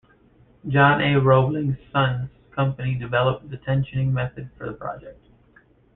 John A. Roebling's Sons Company developed the tensioning method for the project.